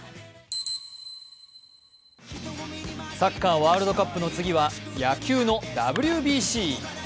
サッカーワールドカップの次は野球のＷＢＣ。